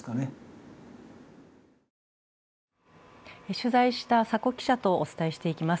取材した佐古記者とお伝えしていきます。